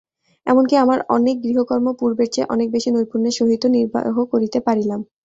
এমন কি আমার অনেক গৃহকর্ম পূর্বের চেয়ে অনেক বেশি নৈপুণ্যের সহিত নির্বাহ করিতে পারিলাম।